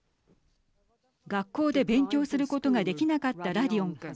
学校で勉強することができなかったラディオン君。